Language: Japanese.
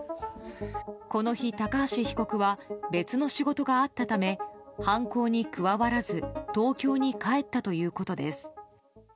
この日、高橋被告は別の仕事があったため犯行に加わらず東京に帰ったということです。